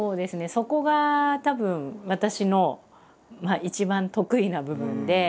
そこがたぶん私の一番得意な部分で。